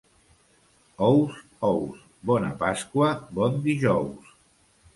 Ous, ous, bona Pasqua, bon dijous!